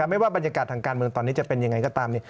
ไม่ว่าบรรยากาศทางการเมืองตอนนี้จะเป็นยังไงก็ตาม